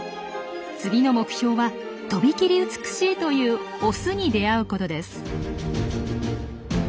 次の目標はとびきり美しいというオスに出会うことです。